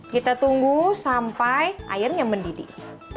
kita tunggu sampai airnya mendidih